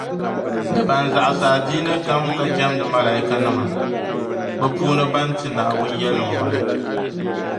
ni ban zaɣisi adiini kam ka jεmdi Malaaikanima, bɛ puuni ban ti Naawuni yεlimaŋli